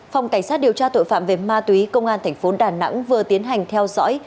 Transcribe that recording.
phòng cảnh sát điều tra tội phạm về ma túy công an thành phố đà nẵng vừa tiến hành theo dõi